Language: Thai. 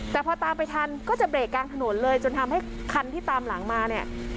แต่พอตามไปทันก็จะเรกกลางถนนเลยจนทำให้คันที่ตามหลังมาเนี่ย